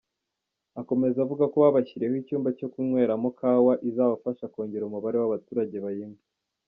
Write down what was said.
Akomeza avuga ko babashyiriyeho icyumba cyo kunyweramo Kawa izabafasha kongera umubare w’abaturage bayinywa.